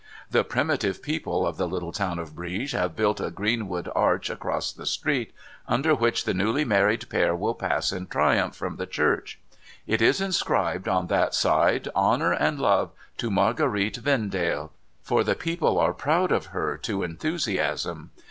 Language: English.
The primitive people of the little town of Brieg have built a greenwood arch across the street, under which the newly married pair shall pass in triumph from the church. It is inscribed, on that side, ' Honour and Love to Marguerite Vendale !' for the people are proud of her to enthusiasm.